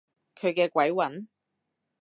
佢嘅鬼魂？